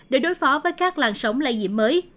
để đối phó với các làn sóng lây nhiễm mới